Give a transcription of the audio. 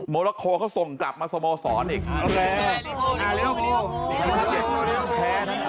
โมโลโคลเขาส่งกลับมาสโมสรอีกอ่าเร็วเร็วเร็วเร็วเร็วเร็ว